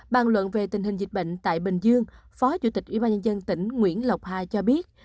bàn luận về tình hình dịch bệnh tại bình dương phó chủ tịch ủy ban nhân dân tỉnh nguyễn lộc hà cho biết